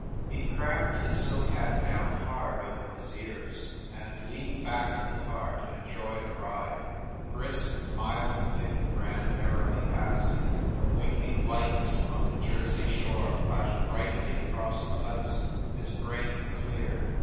He crammed his silk hat down hard over his ears and leaned back in the car to enjoy the ride. The brisk, mild wind ran merrily past him. I The winking lights on the Jersey shore flashed brightly across the Hudson. His brain cleared.